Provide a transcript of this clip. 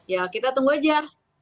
ya kita tunggu aja